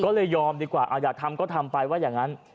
ก็เลยยอมดีกว่าอยากทำก็ทำไปว่าอย่างนั้น